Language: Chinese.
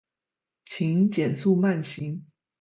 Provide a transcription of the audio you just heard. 请减速慢行